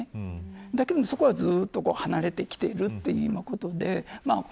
だけれども、そこがちょっと離れてきているということで。